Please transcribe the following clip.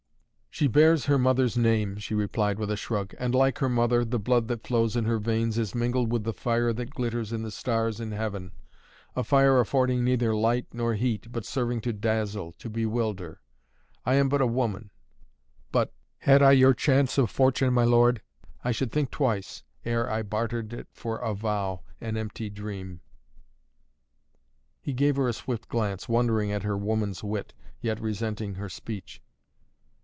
"She bears her mother's name," she replied with a shrug, "and, like her mother, the blood that flows in her veins is mingled with the fire that glitters in the stars in heaven, a fire affording neither light nor heat, but serving to dazzle, to bewilder. I am but a woman, but had I your chance of fortune, my lord, I should think twice, ere I bartered it for a vow, an empty dream." He gave her a swift glance, wondering at her woman's wit, yet resenting her speech.